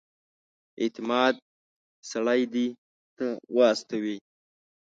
اعتمادي سړی دې ده ته واستوي.